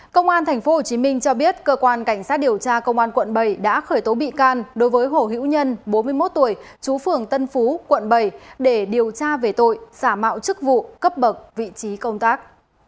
công an tp hcm cho biết cơ quan cảnh sát điều tra công an quận bảy đã khởi tố bị can đối với hồ hữu nhân bốn mươi một tuổi chú phường tân phú quận bảy để điều tra về tội giả mạo chức vụ cấp bậc vị trí công tác